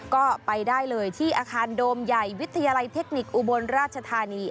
ก็ไปได้เลยที่อาคารโดมใหญ่วิทยาลัยเทคนิคอุบลราชธานี